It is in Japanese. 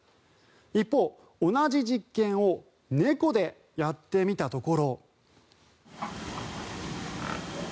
一方、同じ実験を猫でやってみたところ。